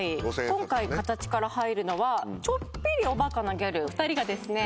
今回形から入るのはちょっぴりおバカなギャル２人がですね